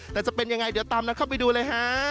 แต่จะเป็นอย่างไรเดี๋ยวตามเข้าไปดูเลย